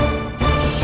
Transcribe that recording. masih ada yang nunggu